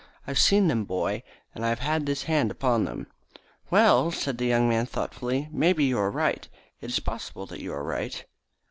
I've seen them, boy, and I've had this hand upon them." "Well," said the young man thoughtfully, "maybe you are right. It is possible that you are right."